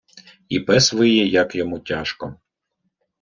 І пес виє, як йому тяжко.